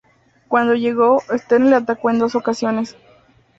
Cuando llegó, Steiner le atacó en dos ocasiones.